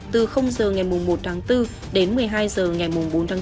từ giờ ngày một tháng bốn đến một mươi hai h ngày bốn tháng bốn